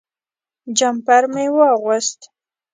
جمپر مې واغوست.